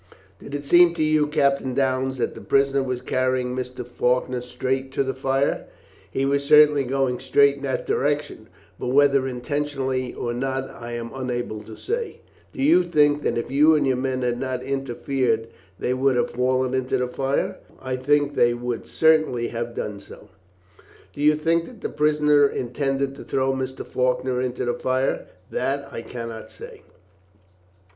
"Did it seem to you, Captain Downes, that the prisoner was carrying Mr. Faulkner straight to the fire?" "He was certainly going straight in that direction, but whether intentionally or not I am unable to say." "Do you think that if you and your men had not interfered they would have fallen into the fire?" "I think they would certainly have done so." "Do you think that the prisoner intended to throw Mr. Faulkner into the fire?" "That I cannot say."